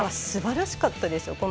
すばらしかったですよ。